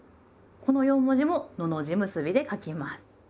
この四文字ものの字結びで書きます。